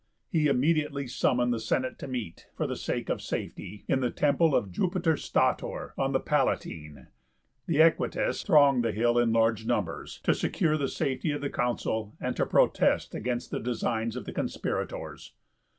He immediately summoned the Senate to meet, for the sake of safety, in the temple of Jupiter Stator on the Palatine. The equites thronged the hill in large numbers, to secure the safety of the Consul, and to protest against the designs of the conspirators.